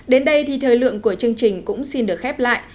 đến đây thì thời lượng của chương trình cũng xin được khép lại